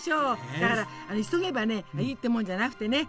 だから急げばいいってもんじゃなくてね。